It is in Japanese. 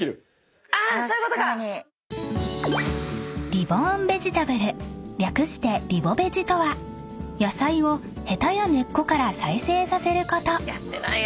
［リボーンベジタブル略してリボベジとは野菜をへたや根っこから再生させること］